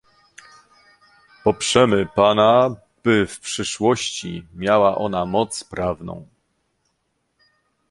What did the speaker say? Poprzemy Pana, by w przyszłości miała ona moc prawną